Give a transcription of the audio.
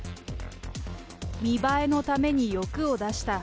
見栄えのために欲を出した。